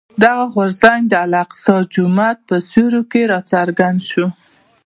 دغه غورځنګ د الاقصی جومات په سیوري کې راڅرګند شو.